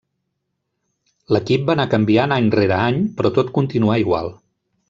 L'equip va anar canviant any rere any, però tot continuà igual.